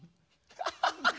アハハハハ！